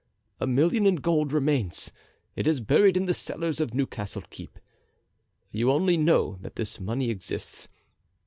A million in gold remains; it is buried in the cellars of Newcastle Keep. You only know that this money exists.